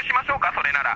それなら。